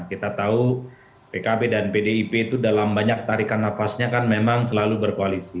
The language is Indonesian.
kita tahu pkb dan pdip itu dalam banyak tarikan nafasnya kan memang selalu berkoalisi